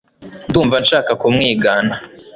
Ndumva nshaka kumwigana